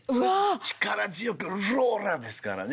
力強く「ローラ」ですからね。